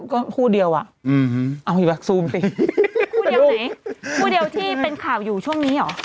คู่เดียวที่เป็นข่าวอยู่ช่วงนี้หรอ